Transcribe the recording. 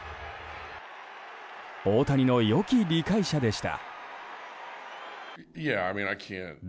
大谷のよき理解者でした。